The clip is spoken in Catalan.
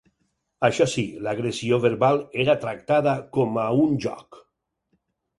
Això sí, l'agressió verbal era tractada com a un joc.